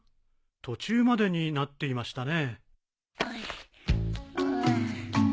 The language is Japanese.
途中までになっていましたね。